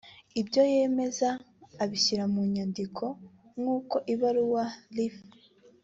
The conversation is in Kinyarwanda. ibyo yemeza abishyira mu nyandiko nkuko ibaruwa Ref